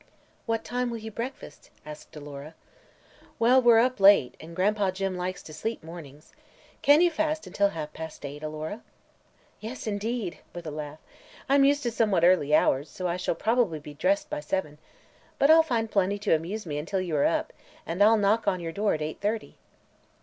"What time will you breakfast?" asked Alora. "Well, we're up late, and Gran'pa Jim likes to sleep mornings. Can you fast until half past eight, Alora?" "Yes, indeed," with a laugh. "I'm used to somewhat early hours, so I shall probably be dressed by seven. But I'll find plenty to amuse me until you are up, and I'll knock on your door at eight thirty."